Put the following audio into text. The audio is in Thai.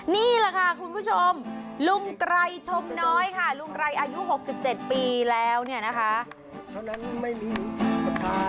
นี่แหละค่ะคุณผู้ชมลุงไกรชมน้อยค่ะลุงไกรอายุ๖๗ปีแล้วเนี่ยนะคะ